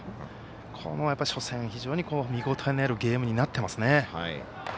この初戦、非常に見応えのあるゲームになっていますね。